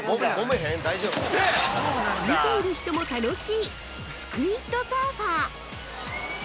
◆見ている人も楽しいスクイッド・サーファー。